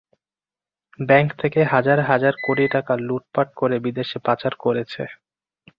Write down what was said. Bank থেকে হাজার হাজার কোটি টাকা লুটপাট করে বিদেশে পাচার করেছে।